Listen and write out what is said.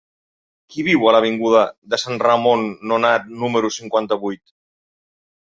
Qui viu a l'avinguda de Sant Ramon Nonat número cinquanta-vuit?